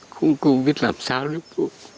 cũng không biết làm sao nữa bố